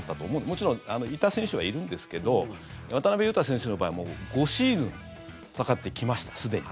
もちろん、いた選手はいるんですけど渡邊雄太選手の場合もう５シーズン戦ってきましたすでに。